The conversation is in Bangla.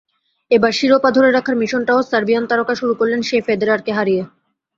এবার শিরোপা ধরে রাখার মিশনটাও সার্বিয়ান তারকা শুরু করলেন সেই ফেদেরারকে হারিয়ে।